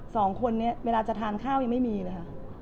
สองคนนี้เวลาจะทานข้าวยังไม่มีเลยค่ะ